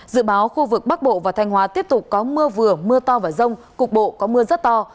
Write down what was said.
dự báo khu vực bắc bộ và thanh hóa tiếp tục có mưa vừa mưa to và rông cục bộ có mưa rất to